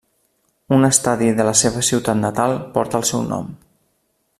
Un estadi de la seva ciutat natal porta el seu nom.